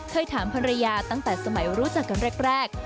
เคยถามภรรยาตั้งแต่สมัยรู้จักกันแรก